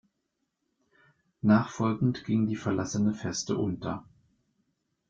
Nachfolgend ging die verlassene Feste unter.